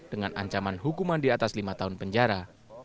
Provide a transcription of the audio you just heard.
dengan ancaman hukuman di atas lima tahun penjara